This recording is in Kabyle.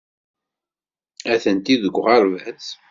Atenti deg uɣerbaz.